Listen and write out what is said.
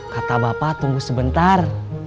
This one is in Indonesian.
kata bapak tunggu sebentar